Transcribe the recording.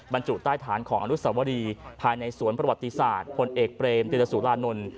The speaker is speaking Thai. บรรจุใต้ฐานของอนุสวรีภายในสวนประวัติศาสตร์พลเอกเปรมติรสุรานนท์